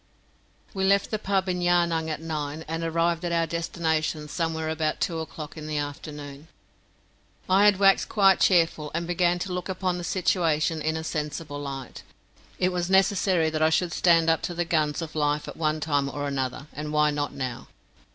We left the pub in Yarnung at nine, and arrived at our destination somewhere about two o'clock in the afternoon. I had waxed quite cheerful, and began to look upon the situation in a sensible light. It was necessary that I should stand up to the guns of life at one time or another, and why not now?